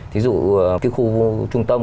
ví dụ cái khu trung tâm